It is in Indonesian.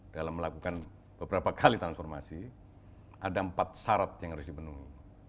dalam melakukan beberapa kali transformasi ada empat syarat yang harus dipenuhi